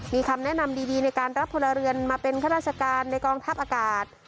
มีคำแนะนำดีในการรับพลเรือนมาเป็นข้าราชการในกองทัพอากาศ